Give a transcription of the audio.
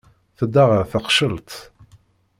Tedda ɣer teqcelt.